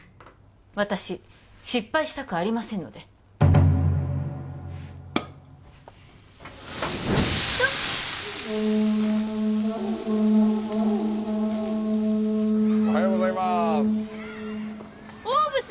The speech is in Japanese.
私失敗したくありませんのでわっおはようございまーすおうブス